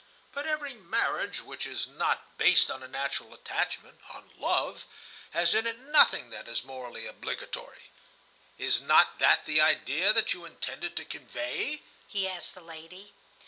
But every marriage which is not based on a natural attachment, on love, has in it nothing that is morally obligatory. Is not that the idea that you intended to convey?" he asked the lady.